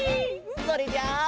それじゃあ。